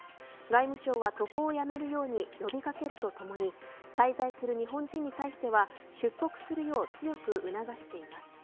外務省は渡航をやめるように呼び掛けるとともに滞在する日本人に対しては出国するよう強く促しています。